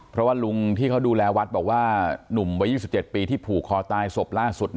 เพราะว่าลุงที่เขาดูแลวัดบอกว่าหนุ่มวัย๒๗ปีที่ผูกคอตายศพล่าสุด